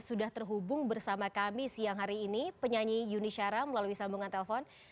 sudah terhubung bersama kami siang hari ini penyanyi yuni syara melalui sambungan telepon